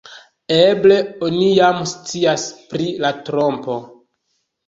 Eble oni jam scias pri la trompo.